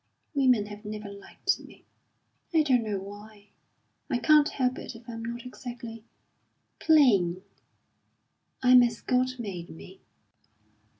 "Women have never liked me. I don't know why. I can't help it if I'm not exactly plain, I'm as God made me."